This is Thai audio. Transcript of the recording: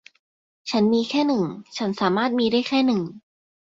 ฉันมีแค่หนึ่ง ฉันสามารถมีได้แค่หนึ่ง